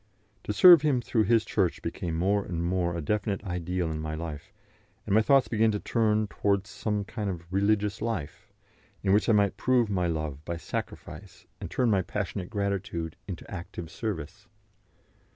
To serve Him through His Church became more and more a definite ideal in my life, and my thoughts began to turn towards some kind of "religious life," in which I might prove my love by sacrifice and turn my passionate gratitude into active service.